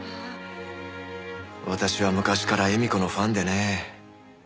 私は昔から絵美子のファンでね。